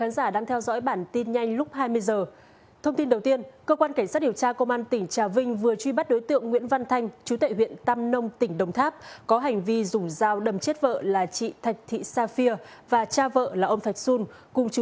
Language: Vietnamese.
chào mừng quý vị đến với bản tin nhanh lúc hai mươi h